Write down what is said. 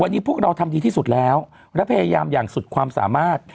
วันนี้พวกเราทำดีที่สุดแล้วและพยายามอย่างสุดความสามารถ